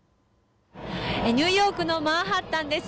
ニューヨークのマンハッタンです。